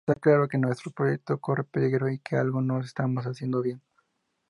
Está claro que nuestro proyecto corre peligro y que algo no estamos haciendo bien.